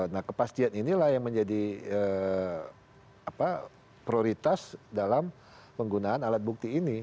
nah kepastian inilah yang menjadi prioritas dalam penggunaan alat bukti ini